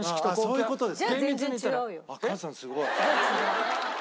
そういう事です。